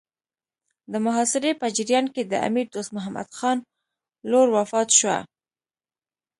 د محاصرې په جریان کې د امیر دوست محمد خان لور وفات شوه.